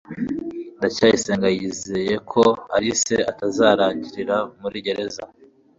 ndacyayisenga yizeye ko alice atazarangirira muri gereza